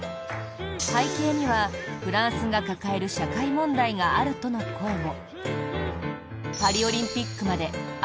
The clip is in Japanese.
背景には、フランスが抱える社会問題があるとの声も。